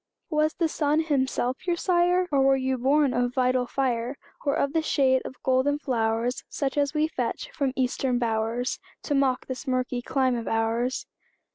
Was the sun himself your sire? Were ye born of vital fire? Or of the shade of golden flowers, Such as we fetch from Eastern bowers, To mock this murky clime of ours?